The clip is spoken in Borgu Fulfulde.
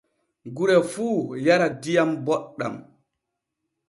Gure fuu yara diam boɗɗan.